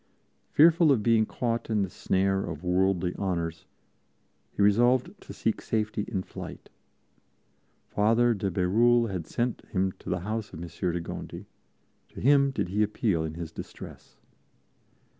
Fearful of being caught in the snare of worldly honors, he resolved to seek safety in flight. Father de Bérulle had sent him to the house of Monsieur de Gondi; to him did he appeal in his distress.